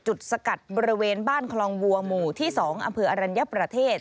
สกัดบริเวณบ้านคลองวัวหมู่ที่๒อำเภออรัญญประเทศ